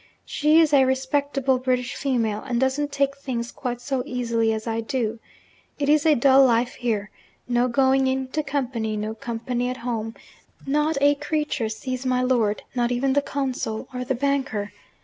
She is a respectable British female, and doesn't take things quite so easily as I do. It is a dull life here. No going into company no company at home not a creature sees my lord not even the consul, or the banker.